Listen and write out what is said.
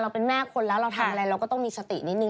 เป็นแม่คนแล้วเราทำอะไรเราก็ต้องมีสตินิดนึ